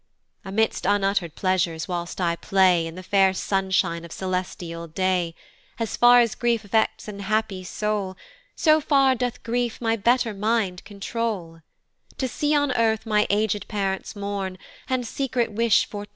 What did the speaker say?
"Amidst unutter'd pleasures whilst I play "In the fair sunshine of celestial day, "As far as grief affects an happy soul "So far doth grief my better mind controul, "To see on earth my aged parents mourn, "And secret wish for T